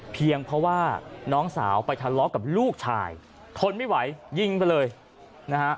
เพียงเพราะว่าน้องสาวไปทะเลาะกับลูกชายทนไม่ไหวยิงไปเลยนะฮะ